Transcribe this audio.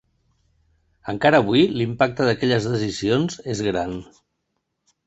Encara avui, l’impacte d’aquelles decisions és gran.